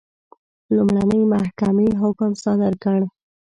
لومړنۍ محکمې حکم صادر کړ.